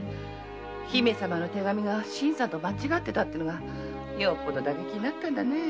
姫様の手紙が新さんと間違ってたのがよほど打撃になったんだね。